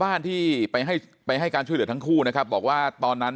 บ้านที่ไปให้ไปให้การช่วยเหลือทั้งคู่นะครับบอกว่าตอนนั้น